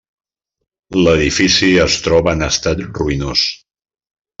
L'edifici es troba en estat ruïnós.